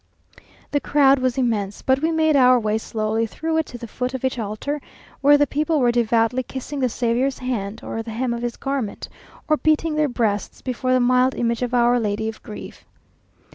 The crowd was immense, but we made our way slowly through it to the foot of each altar, where the people were devoutly kissing the Saviour's hand or the hem of his garment; or beating their breasts before the mild image of Our Lady of Grief.